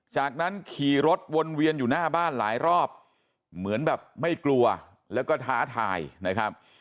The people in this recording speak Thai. จากนั้นขี่รถวนเวียนอยู่หน้าบ้านหลายรอบเหมือนแบบไม่กลัวแล้วก็ท้าทายนะครับ